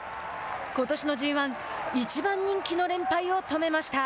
ことしのＧ１１番人気の連敗を止めました。